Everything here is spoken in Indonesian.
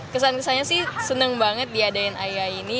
kesan kesannya sih senang banget diadain aya ini